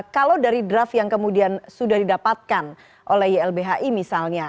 kalau dari draft yang kemudian sudah didapatkan oleh ylbhi misalnya